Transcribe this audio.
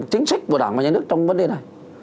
chính sách của đảng và nhà nước trong vấn đề này